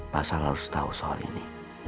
pak sal harus tau soal ini